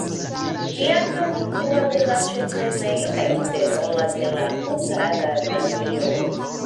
Li ankaŭ instruas en la ĉeflernejo kaj ofte rolas en la Hungara Radio.